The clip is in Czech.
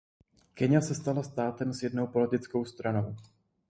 Keňa se stala státem s jednou politickou stranou.